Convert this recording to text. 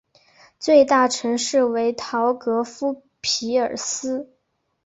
最大城市为陶格夫匹尔斯。